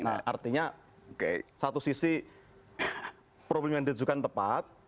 nah artinya satu sisi problem yang ditujukan tepat